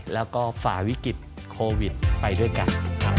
แล้วก็ฝ่าวิกฤตโควิดไปด้วยกัน